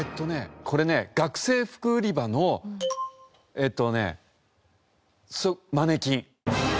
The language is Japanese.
これね学生服売り場のえっとねマネキン。